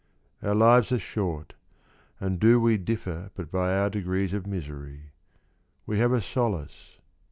— Our lives are short, And do we differ but by our degrees of misery. We have a solace.